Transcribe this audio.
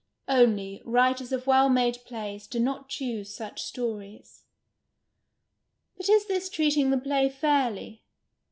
Only, WTitcrs of well made plays do not choose such stories. But is this treating the play fairly